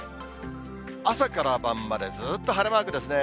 朝から晩までずっと晴れマークですね。